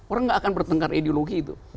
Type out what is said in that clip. orang gak akan bertengkar ideologi itu